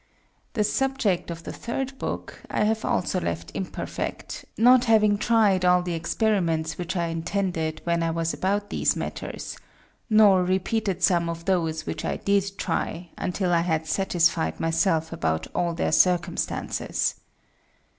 The Subject of the Third Book I have also left imperfect, not having tried all the Experiments which I intended when I was about these Matters, nor repeated some of those which I did try, until I had satisfied my self about all their Circumstances.